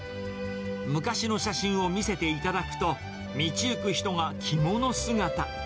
昔の写真を見せていただくと、道行く人が着物姿。